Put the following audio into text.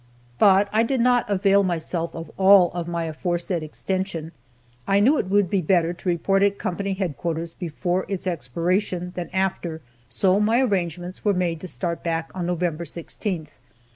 But I did not avail myself of all my aforesaid extension. I knew it would be better to report at company headquarters before its expiration than after, so my arrangements were made to start back on November 16th.